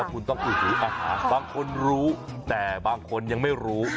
คุณต้องพูดถึงอาหารบางคนรู้แต่บางคนยังไม่รู้